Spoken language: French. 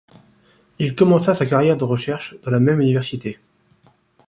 Il commença sa carrière de recherche dans la même université.